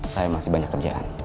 saya masih banyak kerjaan